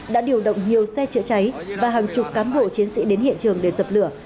đã điều động nhiều xe chữa cháy và hàng chục cán bộ chiến sĩ đến hiện trường để dập lửa